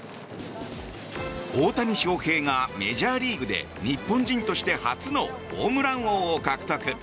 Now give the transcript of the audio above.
大谷翔平がメジャーリーグで日本人として初のホームラン王を獲得。